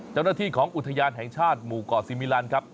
เจ้าหน้าที่ของอุทยานแห่งชาติหมู่เกาะซีมิลันครับ